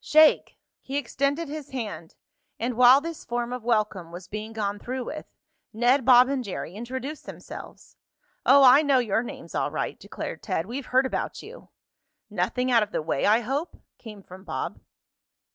Shake!" He extended his hand and while this form of welcome was being gone through with Ned, Bob and Jerry introduced themselves. "Oh, I know your names all right," declared Ted. "We've heard about you." "Nothing out of the way, I hope?" came from Bob.